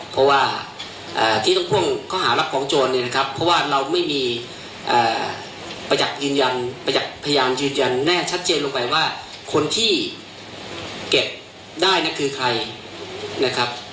เพราะว่าที่ต้องพ่วงข้อหารับของโจรเนี่ยนะครับเพราะว่าเราไม่มีประจักษ์ยืนยันประจักษ์พยานยืนยันแน่ชัดเจนลงไปว่าคนที่เก็บได้นะคือใครนะครับ